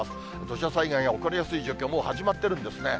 土砂災害が起こりやすい状況、もう始まってるんですね。